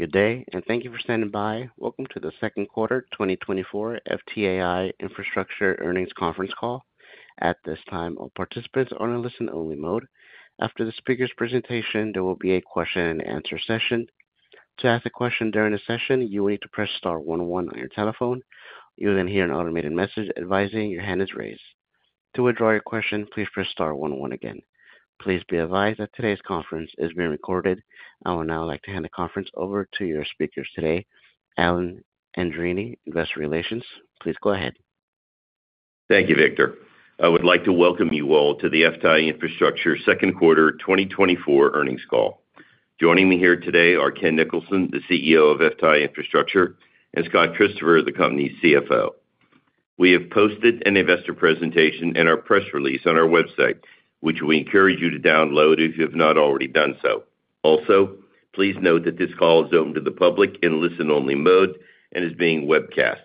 Good day, and thank you for standing by. Welcome to the second quarter 2024 FTAI Infrastructure earnings conference call. At this time, all participants are in a listen-only mode. After the speaker's presentation, there will be a question-and-answer session. To ask a question during the session, you will need to press star one one on your telephone. You will then hear an automated message advising your hand is raised. To withdraw your question, please press star one one again. Please be advised that today's conference is being recorded. I would now like to hand the conference over to your speakers today, Alan Andreini, Investor Relations. Please go ahead. Thank you, Victor. I would like to welcome you all to the FTAI Infrastructure second quarter 2024 earnings call. Joining me here today are Ken Nicholson, the CEO of FTAI Infrastructure, and Scott Christopher, the company's CFO. We have posted an investor presentation and our press release on our website, which we encourage you to download if you have not already done so. Also, please note that this call is open to the public in listen-only mode and is being webcast.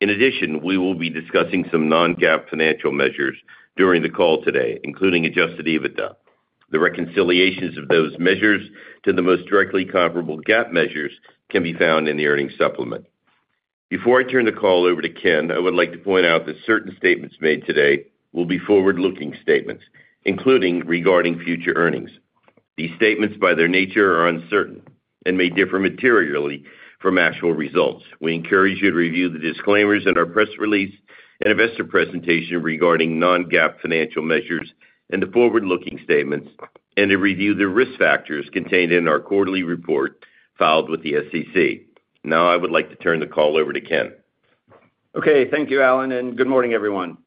In addition, we will be discussing some non-GAAP financial measures during the call today, including Adjusted EBITDA. The reconciliations of those measures to the most directly comparable GAAP measures can be found in the earnings supplement. Before I turn the call over to Ken, I would like to point out that certain statements made today will be forward-looking statements, including regarding future earnings. These statements, by their nature, are uncertain and may differ materially from actual results. We encourage you to review the disclaimers in our press release and investor presentation regarding Non-GAAP financial measures and the forward-looking statements, and to review the risk factors contained in our quarterly report filed with the SEC. Now, I would like to turn the call over to Ken. Okay, thank you, Alan, and good morning, everyone.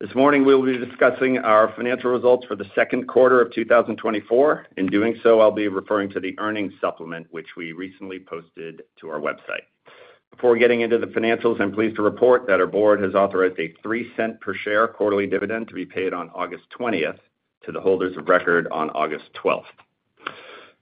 This morning, we'll be discussing our financial results for the second quarter of 2024. In doing so, I'll be referring to the earnings supplement, which we recently posted to our website. Before getting into the financials, I'm pleased to report that our board has authorized a $0.03 per share quarterly dividend to be paid on August 20th to the holders of record on August 12th.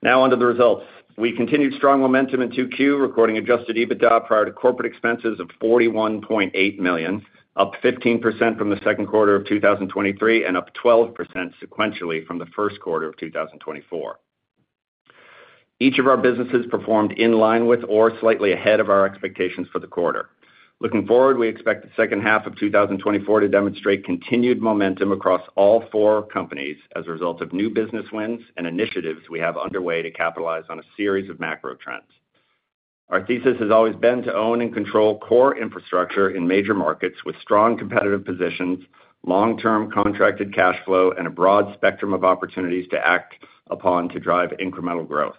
Now, onto the results. We continued strong momentum in Q2, recording Adjusted EBITDA prior to corporate expenses of $41.8 million, up 15% from the second quarter of 2023 and up 12% sequentially from the first quarter of 2024. Each of our businesses performed in line with or slightly ahead of our expectations for the quarter. Looking forward, we expect the second half of 2024 to demonstrate continued momentum across all four companies as a result of new business wins and initiatives we have underway to capitalize on a series of macro trends. Our thesis has always been to own and control core infrastructure in major markets with strong competitive positions, long-term contracted cash flow, and a broad spectrum of opportunities to act upon to drive incremental growth.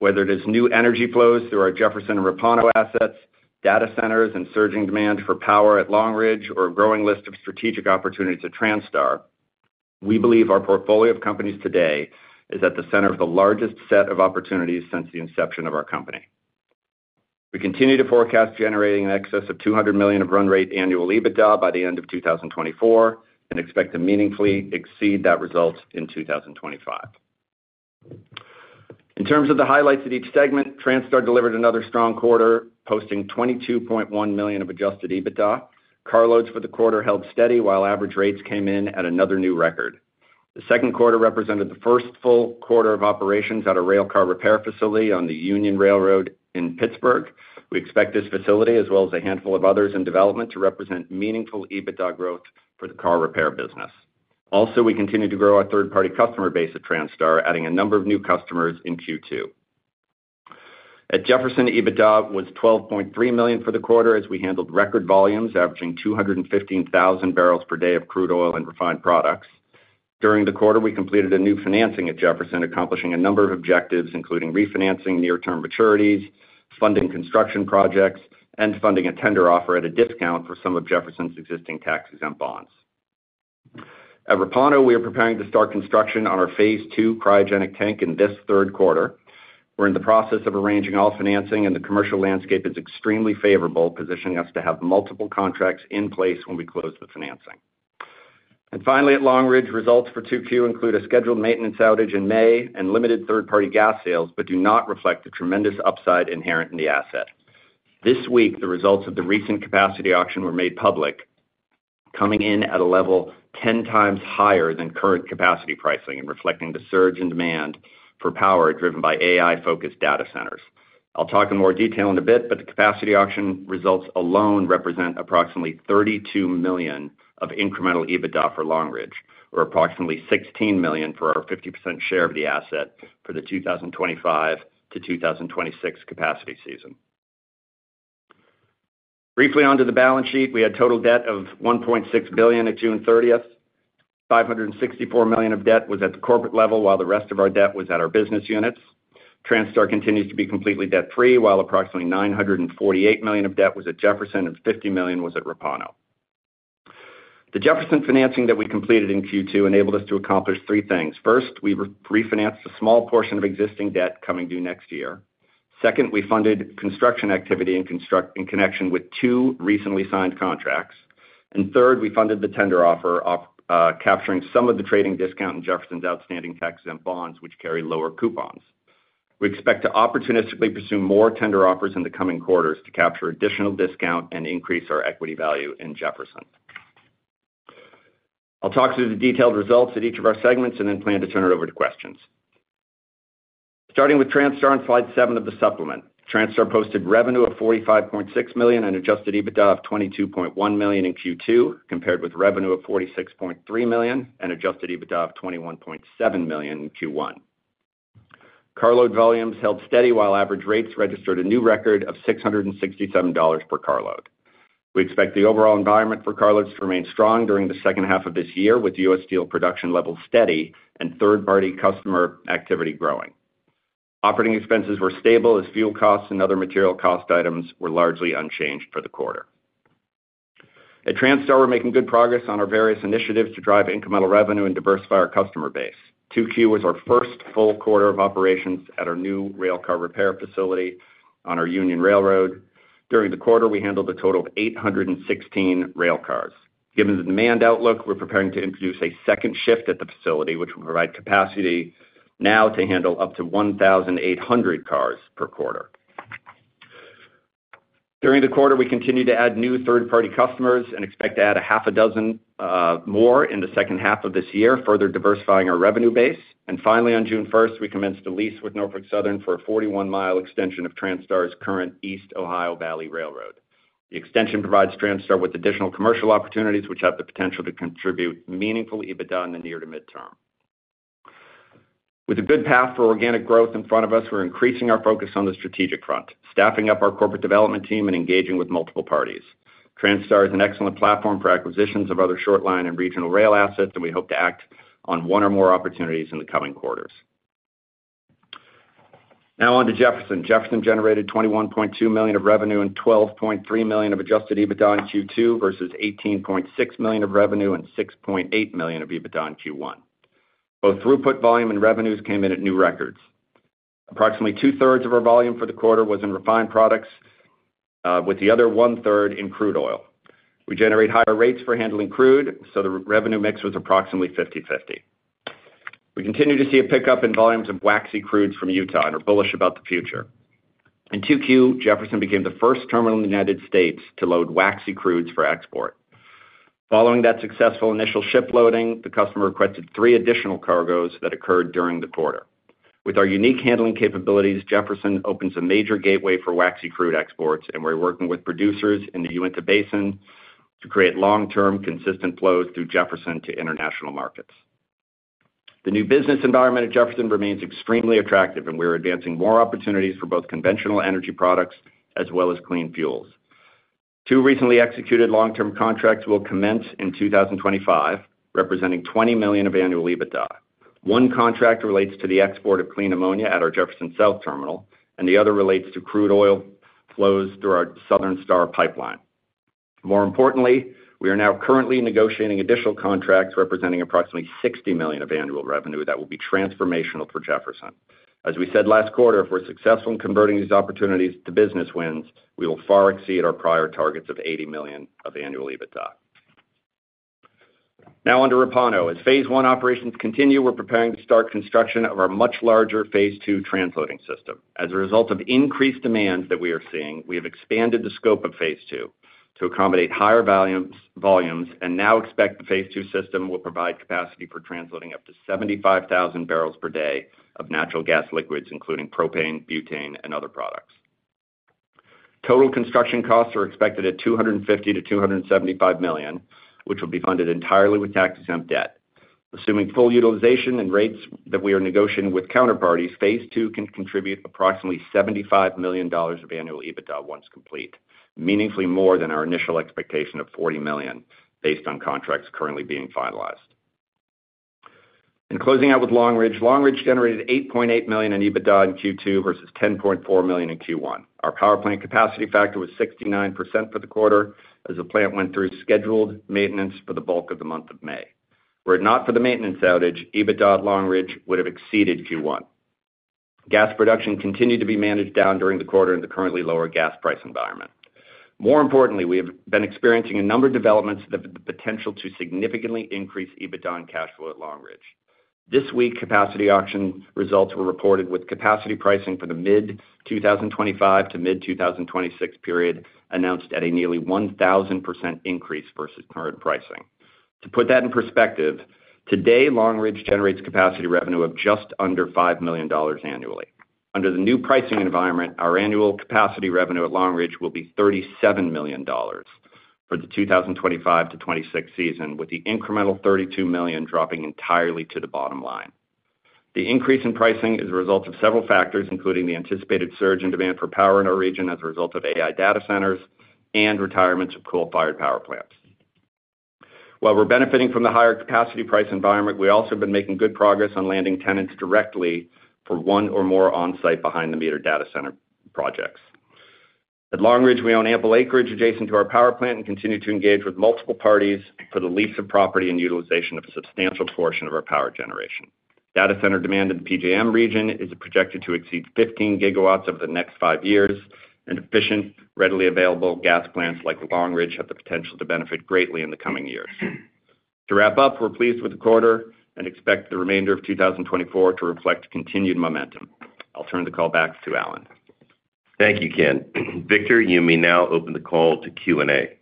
Whether it is new energy flows through our Jefferson and Repauno assets, data centers, and surging demand for power at Long Ridge, or a growing list of strategic opportunities at Transtar, we believe our portfolio of companies today is at the center of the largest set of opportunities since the inception of our company. We continue to forecast generating an excess of $200 million of run rate annual EBITDA by the end of 2024 and expect to meaningfully exceed that result in 2025. In terms of the highlights at each segment, Transtar delivered another strong quarter, posting $22.1 million of Adjusted EBITDA. Car loads for the quarter held steady while average rates came in at another new record. The second quarter represented the first full quarter of operations at a rail car repair facility on the Union Railroad in Pittsburgh. We expect this facility, as well as a handful of others in development, to represent meaningful EBITDA growth for the car repair business. Also, we continue to grow our third-party customer base at Transtar, adding a number of new customers in Q2. At Jefferson, EBITDA was $12.3 million for the quarter as we handled record volumes averaging 215,000 barrels per day of crude oil and refined products. During the quarter, we completed a new financing at Jefferson, accomplishing a number of objectives, including refinancing near-term maturities, funding construction projects, and funding a tender offer at a discount for some of Jefferson's existing taxes and bonds. At Repauno, we are preparing to start construction on our phase two cryogenic tank in this third quarter. We're in the process of arranging all financing, and the commercial landscape is extremely favorable, positioning us to have multiple contracts in place when we close the financing. And finally, at Long Ridge, results for 2Q include a scheduled maintenance outage in May and limited third-party gas sales, but do not reflect the tremendous upside inherent in the asset. This week, the results of the recent capacity auction were made public, coming in at a level 10x higher than current capacity pricing and reflecting the surge in demand for power driven by AI-focused data centers. I'll talk in more detail in a bit, but the capacity auction results alone represent approximately $32 million of incremental EBITDA for Long Ridge, or approximately $16 million for our 50% share of the asset for the 2025-2026 capacity season. Briefly, onto the balance sheet, we had total debt of $1.6 billion at June 30th. $564 million of debt was at the corporate level, while the rest of our debt was at our business units. Transtar continues to be completely debt-free, while approximately $948 million of debt was at Jefferson and $50 million was at Repauno. The Jefferson financing that we completed in Q2 enabled us to accomplish three things. First, we refinanced a small portion of existing debt coming due next year. Second, we funded construction activity in connection with two recently signed contracts. And third, we funded the tender offer, capturing some of the trading discount in Jefferson's outstanding notes and bonds, which carry lower coupons. We expect to opportunistically pursue more tender offers in the coming quarters to capture additional discount and increase our equity value in Jefferson. I'll talk through the detailed results at each of our segments and then plan to turn it over to questions. Starting with Transtar on slide seven of the supplement, Transtar posted revenue of $45.6 million and Adjusted EBITDA of $22.1 million in Q2, compared with revenue of $46.3 million and Adjusted EBITDA of $21.7 million in Q1. Carload volumes held steady, while average rates registered a new record of $667 per carload. We expect the overall environment for car loads to remain strong during the second half of this year, with U.S. steel production levels steady and third-party customer activity growing. Operating expenses were stable, as fuel costs and other material cost items were largely unchanged for the quarter. At Transtar, we're making good progress on our various initiatives to drive incremental revenue and diversify our customer base. 2Q was our first full quarter of operations at our new rail car repair facility on our Union Railroad. During the quarter, we handled a total of 816 rail cars. Given the demand outlook, we're preparing to introduce a second shift at the facility, which will provide capacity now to handle up to 1,800 cars per quarter. During the quarter, we continue to add new third-party customers and expect to add 6 more in the second half of this year, further diversifying our revenue base. And finally, on June 1st, we commenced a lease with Norfolk Southern for a 41-mile extension of Transtar's current East Ohio Valley Railway. The extension provides Transtar with additional commercial opportunities, which have the potential to contribute meaningful EBITDA in the near to midterm. With a good path for organic growth in front of us, we're increasing our focus on the strategic front, staffing up our corporate development team, and engaging with multiple parties. Transtar is an excellent platform for acquisitions of other short-line and regional rail assets, and we hope to act on one or more opportunities in the coming quarters. Now, on to Jefferson. Jefferson generated $21.2 million of revenue and $12.3 million of Adjusted EBITDA in Q2 versus $18.6 million of revenue and $6.8 million of EBITDA in Q1. Both throughput volume and revenues came in at new records. Approximately two-thirds of our volume for the quarter was in refined products, with the other one-third in crude oil. We generate higher rates for handling crude, so the revenue mix was approximately 50/50. We continue to see a pickup in volumes of waxy crudes from Utah and are bullish about the future. In 2Q, Jefferson became the first terminal in the United States to load waxy crudes for export. Following that successful initial ship loading, the customer requested three additional cargoes that occurred during the quarter. With our unique handling capabilities, Jefferson opens a major gateway for waxy crude exports, and we're working with producers in the Uinta Basin to create long-term consistent flows through Jefferson to international markets. The new business environment at Jefferson remains extremely attractive, and we are advancing more opportunities for both conventional energy products as well as clean fuels. Two recently executed long-term contracts will commence in 2025, representing $20 million of annual EBITDA. One contract relates to the export of clean ammonia at our Jefferson South terminal, and the other relates to crude oil flows through our Southern Star pipeline. More importantly, we are now currently negotiating additional contracts representing approximately $60 million of annual revenue that will be transformational for Jefferson. As we said last quarter, if we're successful in converting these opportunities to business wins, we will far exceed our prior targets of $80 million of annual EBITDA. Now, on to Repauno. As phase one operations continue, we're preparing to start construction of our much larger phase two transloading system. As a result of increased demand that we are seeing, we have expanded the scope of phase two to accommodate higher volumes, and now expect the phase two system will provide capacity for transloading up to 75,000 barrels per day of natural gas liquids, including propane, butane, and other products. Total construction costs are expected at $250 million-$275 million, which will be funded entirely with tax-exempt debt. Assuming full utilization and rates that we are negotiating with counterparties, phase two can contribute approximately $75 million of annual EBITDA once complete, meaningfully more than our initial expectation of $40 million based on contracts currently being finalized. Closing out with Long Ridge, Long Ridge generated $8.8 million in EBITDA in Q2 versus $10.4 million in Q1. Our power plant capacity factor was 69% for the quarter as the plant went through scheduled maintenance for the bulk of the month of May. Were it not for the maintenance outage, EBITDA at Long Ridge would have exceeded Q1. Gas production continued to be managed down during the quarter in the currently lower gas price environment. More importantly, we have been experiencing a number of developments that have the potential to significantly increase EBITDA and cash flow at Long Ridge. This week, capacity auction results were reported with capacity pricing for the mid-2025 to mid-2026 period announced at a nearly 1,000% increase versus current pricing. To put that in perspective, today, Long Ridge generates capacity revenue of just under $5 million annually. Under the new pricing environment, our annual capacity revenue at Long Ridge will be $37 million for the 2025-2026 season, with the incremental $32 million dropping entirely to the bottom line. The increase in pricing is the result of several factors, including the anticipated surge in demand for power in our region as a result of AI data centers and retirements of coal-fired power plants. While we're benefiting from the higher capacity price environment, we also have been making good progress on landing tenants directly for one or more on-site behind-the-meter data center projects. At Long Ridge, we own ample acreage adjacent to our power plant and continue to engage with multiple parties for the lease of property and utilization of a substantial portion of our power generation. Data center demand in the PJM region is projected to exceed 15 gigawatts over the next five years, and efficient, readily available gas plants like Long Ridge have the potential to benefit greatly in the coming years. To wrap up, we're pleased with the quarter and expect the remainder of 2024 to reflect continued momentum. I'll turn the call back to Alan. Thank you, Ken. Victor, you may now open the call to Q&A.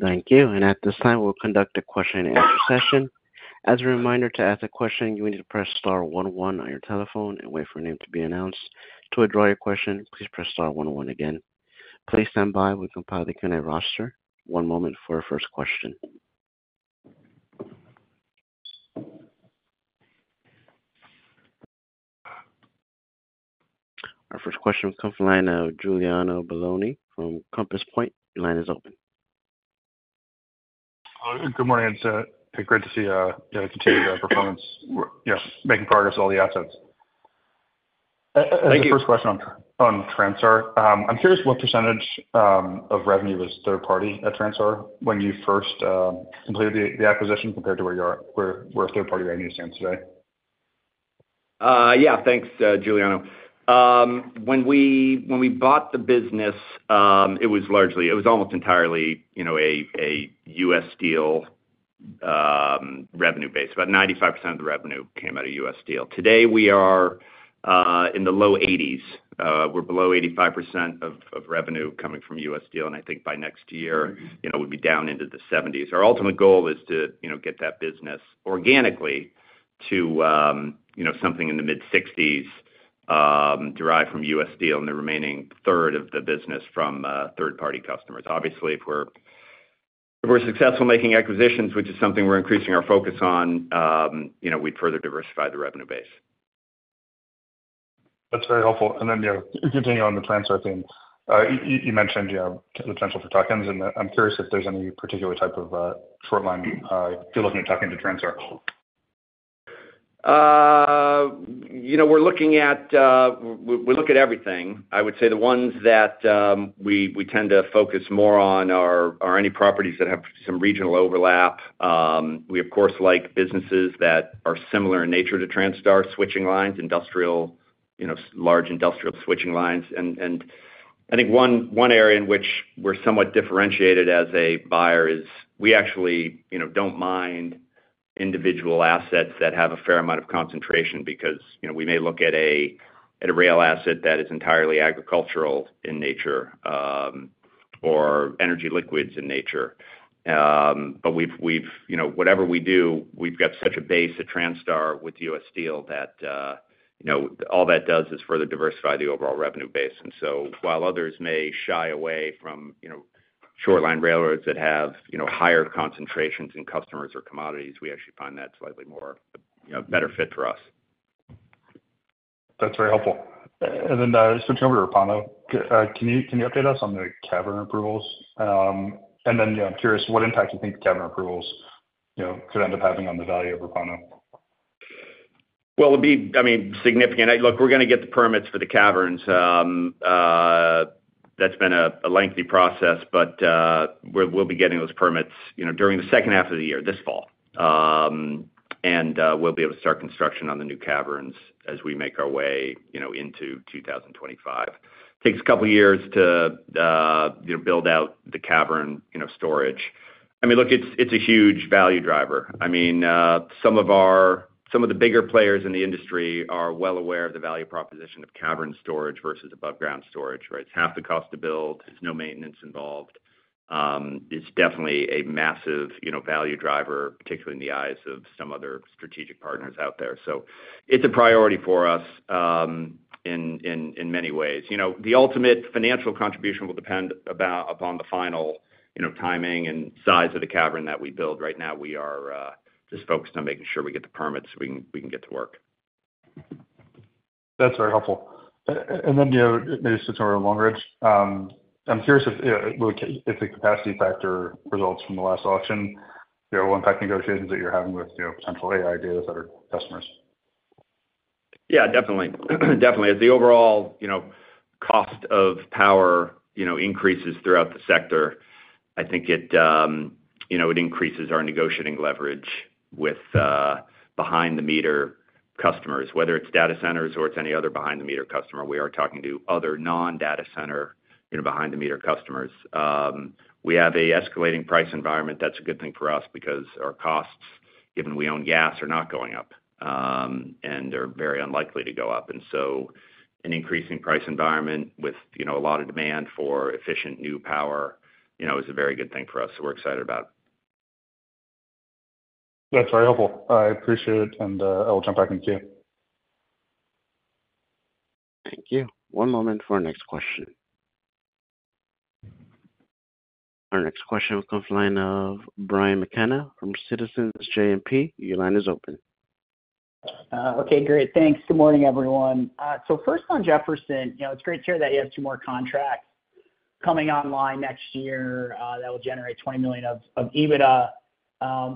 Thank you. At this time, we'll conduct a question-and-answer session. As a reminder, to ask a question, you need to press star one one on your telephone and wait for your name to be announced. To withdraw your question, please press star one one again. Please stand by. We'll compile the Q&A roster. One moment for our first question. Our first question will come from Giuliano Bologna from Compass Point. Your line is open. Good morning. Great to see you continue to make progress on all the assets. Thank you. First question on Transtar. I'm curious what percentage of revenue was third-party at Transtar when you first completed the acquisition compared to where you are? Where third-party revenue stands today? Yeah. Thanks, Giuliano. When we bought the business, it was almost entirely a U.S. Steel revenue base. About 95% of the revenue came out of U.S. Steel. Today, we are in the low 80s. We're below 85% of revenue coming from U.S. Steel, and I think by next year, we'll be down into the 70s. Our ultimate goal is to get that business organically to something in the mid-60s derived from U.S. Steel and the remaining third of the business from third-party customers. Obviously, if we're successful in making acquisitions, which is something we're increasing our focus on, we'd further diversify the revenue base. That's very helpful. Then continuing on the Transtar theme, you mentioned the potential for tuck-ins, and I'm curious if there's any particular type of short-line if you're looking to tuck into Transtar. We're looking at everything. I would say the ones that we tend to focus more on are any properties that have some regional overlap. We, of course, like businesses that are similar in nature to Transtar switching lines, large industrial switching lines. I think one area in which we're somewhat differentiated as a buyer is we actually don't mind individual assets that have a fair amount of concentration because we may look at a rail asset that is entirely agricultural in nature or energy liquids in nature. But whatever we do, we've got such a base at Transtar with U.S. Steel that all that does is further diversify the overall revenue base. And so while others may shy away from short-line railroads that have higher concentrations in customers or commodities, we actually find that's slightly more a better fit for us. That's very helpful. And then switching over to Repauno, can you update us on the cavern approvals? And then I'm curious what impact you think the cavern approvals could end up having on the value of Repauno. Well, it'd be, I mean, significant. Look, we're going to get the permits for the caverns. That's been a lengthy process, but we'll be getting those permits during the second half of the year, this fall. And we'll be able to start construction on the new caverns as we make our way into 2025. It takes a couple of years to build out the cavern storage. I mean, look, it's a huge value driver. I mean, some of the bigger players in the industry are well aware of the value proposition of cavern storage versus above-ground storage, right? It's half the cost to build. There's no maintenance involved. It's definitely a massive value driver, particularly in the eyes of some other strategic partners out there. So it's a priority for us in many ways. The ultimate financial contribution will depend upon the final timing and size of the cavern that we build. Right now, we are just focused on making sure we get the permits so we can get to work. That's very helpful. And then maybe switching over to Long Ridge, I'm curious if the capacity factor results from the last auction, the impact negotiations that you're having with potential AI data center customers. Yeah, definitely. Definitely. As the overall cost of power increases throughout the sector, I think it increases our negotiating leverage with behind-the-meter customers. Whether it's data centers or it's any other behind-the-meter customer, we are talking to other non-data center behind-the-meter customers. We have an escalating price environment. That's a good thing for us because our costs, given we own gas, are not going up and are very unlikely to go up. And so an increasing price environment with a lot of demand for efficient new power is a very good thing for us, so we're excited about it. That's very helpful. I appreciate it, and I will jump back into queue. Thank you. One moment for our next question. Our next question will come from Brian McKenna from Citizens JMP. Your line is open. Okay. Great. Thanks. Good morning, everyone. So first on Jefferson, it's great to hear that you have two more contracts coming online next year that will generate $20 million of EBITDA.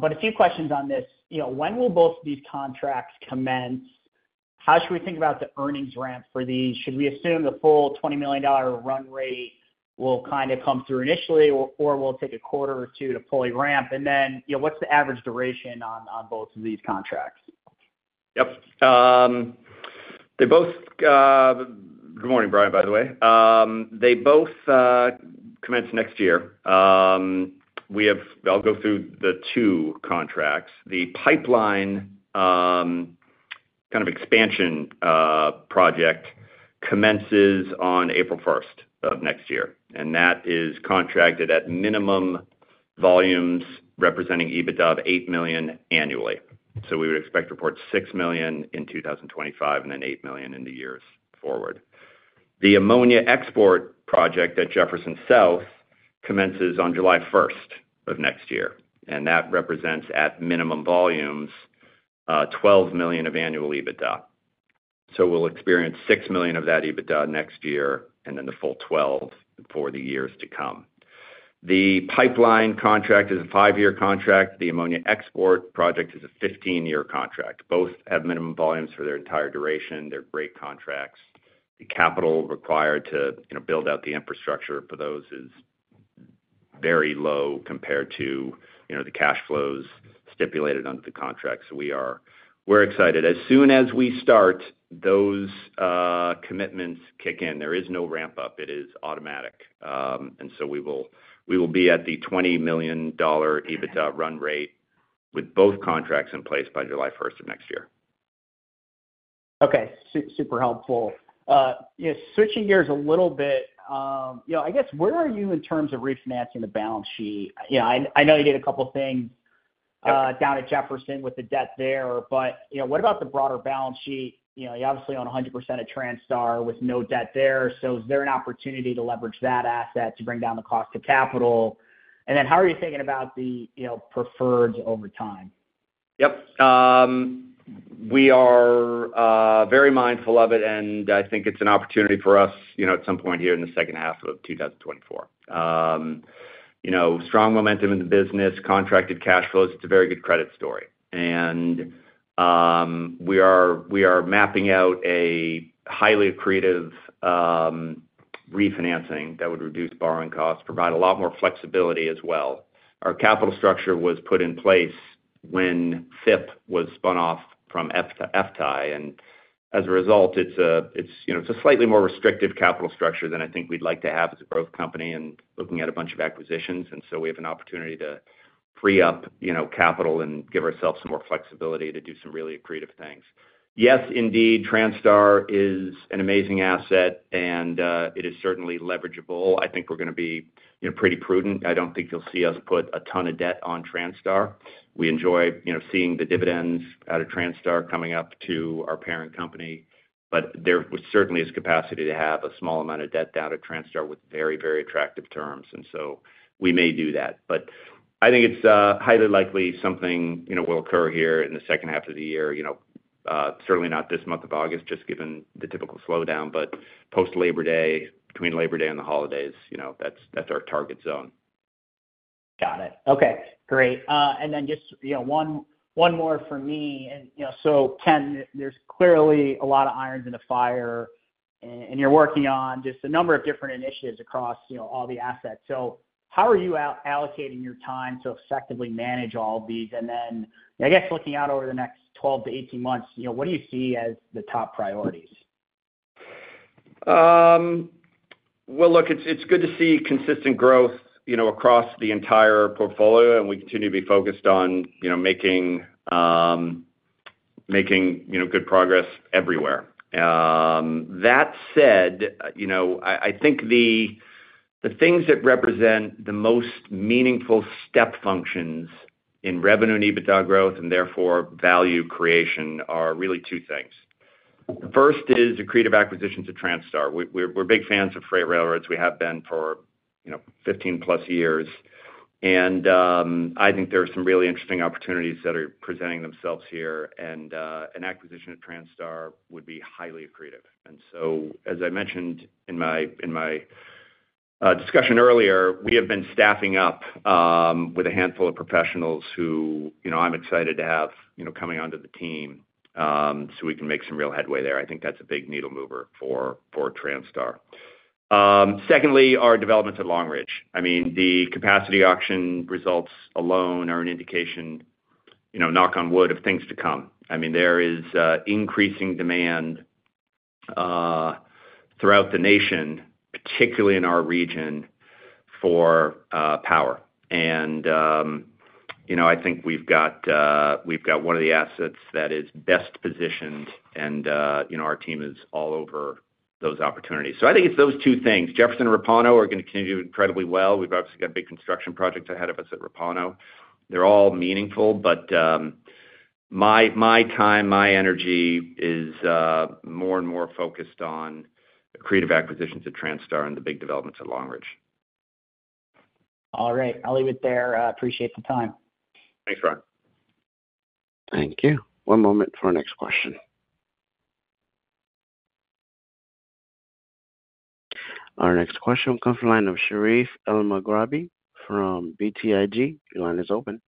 But a few questions on this. When will both of these contracts commence? How should we think about the earnings ramp for these? Should we assume the full $20 million run rate will kind of come through initially, or will it take a quarter or two to fully ramp? And then what's the average duration on both of these contracts? Yep. Good morning, Brian, by the way. They both commence next year. I'll go through the two contracts. The pipeline kind of expansion project commences on April 1st of next year, and that is contracted at minimum volumes representing EBITDA of $8 million annually. So we would expect to report $6 million in 2025 and then $8 million in the years forward. The ammonia export project at Jefferson South commences on July 1st of next year, and that represents, at minimum volumes, $12 million of annual EBITDA. So we'll experience $6 million of that EBITDA next year and then the full $12 million for the years to come. The pipeline contract is a five-year contract. The ammonia export project is a 15-year contract. Both have minimum volumes for their entire duration. They're great contracts. The capital required to build out the infrastructure for those is very low compared to the cash flows stipulated under the contract. So we're excited. As soon as we start, those commitments kick in. There is no ramp-up. It is automatic. And so we will be at the $20 million EBITDA run rate with both contracts in place by July 1st of next year. Okay. Super helpful. Switching gears a little bit, I guess, where are you in terms of refinancing the balance sheet? I know you did a couple of things down at Jefferson with the debt there, but what about the broader balance sheet? You're obviously on 100% of Transtar with no debt there. So is there an opportunity to leverage that asset to bring down the cost of capital? And then how are you thinking about the preferreds over time? Yep. We are very mindful of it, and I think it's an opportunity for us at some point here in the second half of 2024. Strong momentum in the business, contracted cash flows. It's a very good credit story. And we are mapping out a highly accretive refinancing that would reduce borrowing costs, provide a lot more flexibility as well. Our capital structure was put in place when FIP was spun off from FTAI, and as a result, it's a slightly more restrictive capital structure than I think we'd like to have as a growth company and looking at a bunch of acquisitions. So we have an opportunity to free up capital and give ourselves some more flexibility to do some really accretive things. Yes, indeed, Transtar is an amazing asset, and it is certainly leverageable. I think we're going to be pretty prudent. I don't think you'll see us put a ton of debt on Transtar. We enjoy seeing the dividends out of Transtar coming up to our parent company. There certainly is capacity to have a small amount of debt down to Transtar with very, very attractive terms. So we may do that. But I think it's highly likely something will occur here in the second half of the year, certainly not this month of August, just given the typical slowdown, but post-Labor Day, between Labor Day and the holidays. That's our target zone. Got it. Okay. Great. Then just one more for me. So, Ken, there's clearly a lot of irons in the fire, and you're working on just a number of different initiatives across all the assets. So how are you allocating your time to effectively manage all of these? And then, I guess, looking out over the next 12-18 months, what do you see as the top priorities? Well, look, it's good to see consistent growth across the entire portfolio, and we continue to be focused on making good progress everywhere. That said, I think the things that represent the most meaningful step functions in revenue and EBITDA growth and therefore value creation are really two things. The first is accretive acquisitions at Transtar. We're big fans of freight railroads. We have been for 15+ years. And I think there are some really interesting opportunities that are presenting themselves here, and an acquisition at Transtar would be highly accretive. And so, as I mentioned in my discussion earlier, we have been staffing up with a handful of professionals who I'm excited to have coming onto the team so we can make some real headway there. I think that's a big needle-mover for Transtar. Secondly, our developments at Long Ridge. I mean, the capacity auction results alone are an indication, knock on wood, of things to come. I mean, there is increasing demand throughout the nation, particularly in our region, for power. I think we've got one of the assets that is best positioned, and our team is all over those opportunities. I think it's those two things. Jefferson and Repauno are going to continue incredibly well. We've obviously got big construction projects ahead of us at Repauno. They're all meaningful, but my time, my energy is more and more focused on accretive acquisitions at Transtar and the big developments at Long Ridge. All right. I'll leave it there. Appreciate the time. Thanks, Brian. Thank you. One moment for our next question. Our next question will come from the line of Sherif Elmaghrabi from BTIG. Your line is open.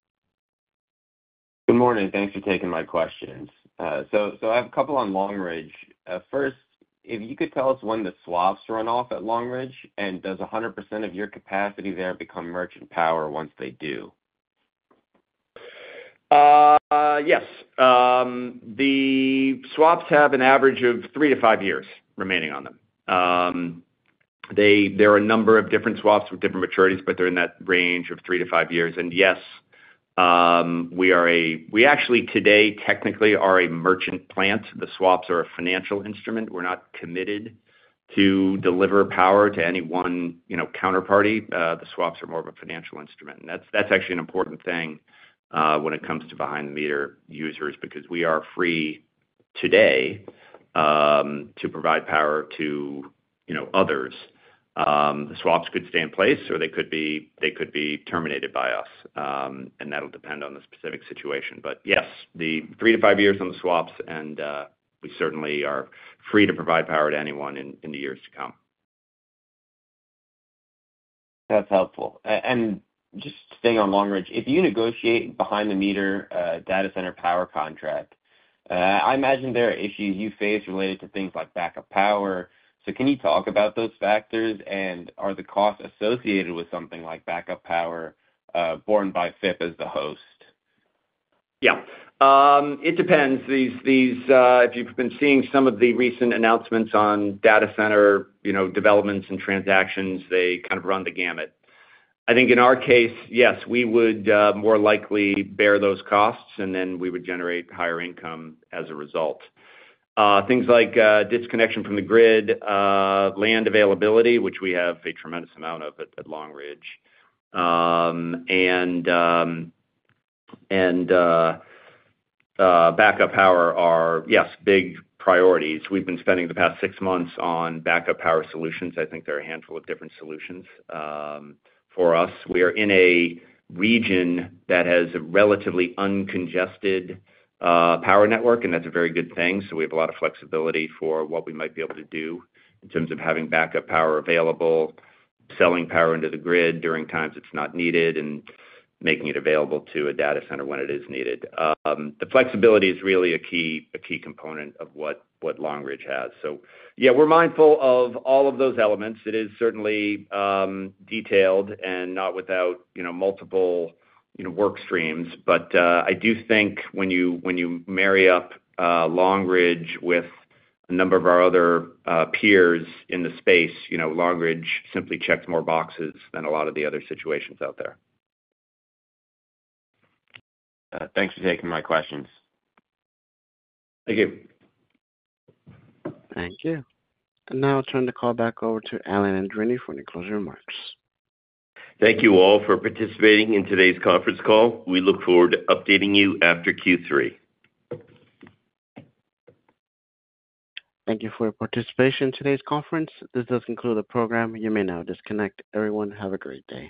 Good morning. Thanks for taking my questions. So I have a couple on Long Ridge. First, if you could tell us when the swaps run off at Long Ridge, and does 100% of your capacity there become merchant power once they do? Yes. The swaps have an average of 3-5 years remaining on them. There are a number of different swaps with different maturities, but they're in that range of 3-5 years. Yes, we actually today, technically, are a merchant plant. The swaps are a financial instrument. We're not committed to deliver power to any one counterparty. The swaps are more of a financial instrument. That's actually an important thing when it comes to behind-the-meter users because we are free today to provide power to others. The swaps could stay in place, or they could be terminated by us, and that'll depend on the specific situation. Yes, the 3-5 years on the swaps, and we certainly are free to provide power to anyone in the years to come. That's helpful. Just staying on Long Ridge, if you negotiate behind-the-meter data center power contract, I imagine there are issues you face related to things like backup power. So can you talk about those factors, and are the costs associated with something like backup power borne by FTAI as the host? Yeah. It depends. If you've been seeing some of the recent announcements on data center developments and transactions, they kind of run the gamut. I think in our case, yes, we would more likely bear those costs, and then we would generate higher income as a result. Things like disconnection from the grid, land availability, which we have a tremendous amount of at Long Ridge, and backup power are, yes, big priorities. We've been spending the past six months on backup power solutions. I think there are a handful of different solutions for us. We are in a region that has a relatively uncongested power network, and that's a very good thing. So we have a lot of flexibility for what we might be able to do in terms of having backup power available, selling power into the grid during times it's not needed, and making it available to a data center when it is needed. The flexibility is really a key component of what Long Ridge has. So yeah, we're mindful of all of those elements. It is certainly detailed and not without multiple work streams. But I do think when you marry up Long Ridge with a number of our other peers in the space, Long Ridge simply checks more boxes than a lot of the other situations out there. Thanks for taking my questions. Thank you. Thank you. And now I'll turn the call back over to Alan Andreini for any closing remarks. Thank you all for participating in today's conference call. We look forward to updating you after Q3. Thank you for your participation in today's conference. This does conclude the program. You may now disconnect. Everyone, have a great day.